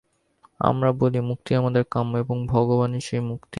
আমরা বলি মুক্তিই আমাদের কাম্য, এবং ভগবানই সেই মুক্তি।